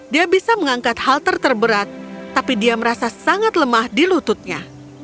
dia bisa mengangkat halter terberat tapi dia merasa sangat lemah di lututnya